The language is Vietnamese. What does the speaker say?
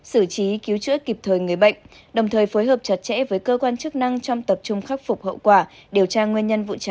sử trí cứu chữa kịp thời người bệnh đồng thời phối hợp chặt chẽ với cơ quan chức năng trong tập trung khắc phục hậu quả điều tra nguyên nhân vụ cháy